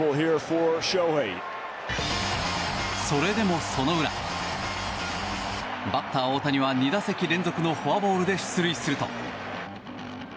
それでも、その裏バッター大谷は２打席連続のフォアボールで出塁すると。